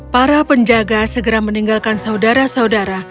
para penjaga segera meninggalkan saudara saudara